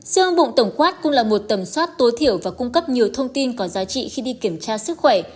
xương bụng tổng quát cũng là một tầm soát tối thiểu và cung cấp nhiều thông tin có giá trị khi đi kiểm tra sức khỏe